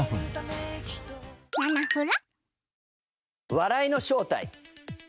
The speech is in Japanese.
「笑いの正体」。